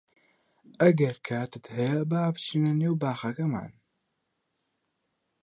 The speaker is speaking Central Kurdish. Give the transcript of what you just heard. ئەگەر کاتت هەیە با بچینە نێو باخەکەمان.